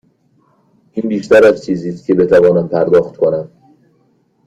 این بیشتر از چیزی است که بتوانم پرداخت کنم.